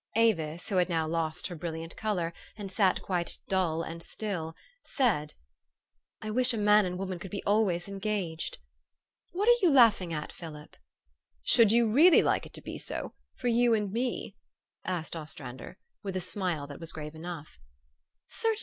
Avis, who had now lost her brilliant color, and sat quite dull and still, said, THE STOKY OF AVIS. 227 "I wish a man and woman could be always en gaged ! What are you laughing at, Philip?" " Should you really like it to be so for you and me?" asked Ostrander, with a smile that was grave enough.